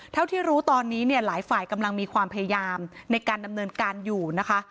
เท่าที่รู้ตอนนี้เนี่ยหลายฝ่ายกำลังมีความพยายามในการดำเนินการอยู่นะคะ